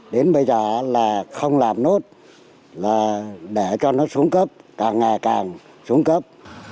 cái con đường này là để cho nó xuống cấp càng ngày càng xuống cấp